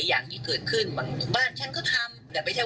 ตัวอยู่ในพลองมาจะไม่สนุกแล้ว